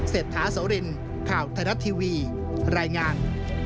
เศรษฐาโสรินข่าวไทยรัฐทีวีรายงาน